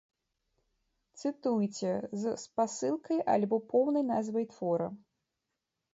Цытуйце з спасылкай альбо поўнай назвай твора.